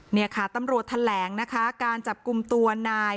เนี่ยค่ะตำรวจแถลงนะคะการจับกลุ่มตัวนาย